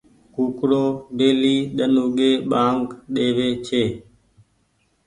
ڪوُڪڙو ڍيلي ۮن اوڳي ٻآنگ ۮيوي ڇي۔